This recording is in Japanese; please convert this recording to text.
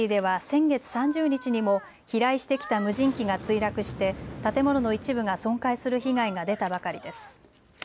モスクワシティでは先月３０日にも飛来してきた無人機が墜落して建物の一部が損壊する被害が出たばかりです。